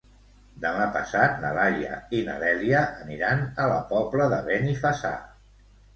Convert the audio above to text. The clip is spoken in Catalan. Demà passat na Laia i na Dèlia aniran a la Pobla de Benifassà.